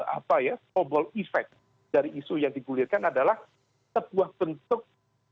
apa ya soball effect dari isu yang digulirkan adalah sebuah bentuk